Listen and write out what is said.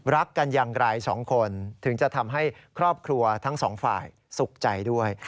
รักกันอย่างไรสองคนถึงจะทำให้ครอบครัวทั้งสองฝ่ายสุขใจด้วย